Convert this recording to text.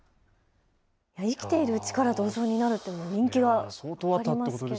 生きているうちから銅像になるっていう、人気がありますね。